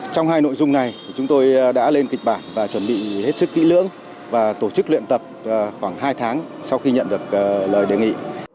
trong hai nội dung này chúng tôi đã lên kịch bản và chuẩn bị hết sức kỹ lưỡng và tổ chức luyện tập khoảng hai tháng sau khi nhận được lời đề nghị